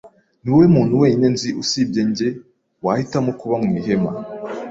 Niwowe muntu wenyine nzi usibye njye wahitamo kuba mu ihema.